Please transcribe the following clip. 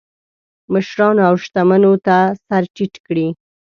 مشرانو او شتمنو ته سر ټیټ کړي.